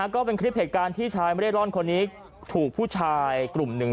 ก็เป็นคลิปเหตุการณ์ที่ชายไม่ได้ร่อนคนนี้ถูกผู้ชายกลุ่มหนึ่ง